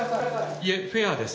いえ、フェアです。